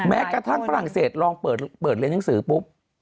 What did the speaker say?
แม้กระทั่งฝรั่งเศสลองเปิดเรียนหนังสือปุ๊บ